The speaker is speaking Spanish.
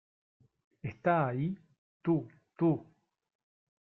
¡ Está ahí! Tú... tú ...